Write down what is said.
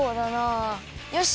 よし！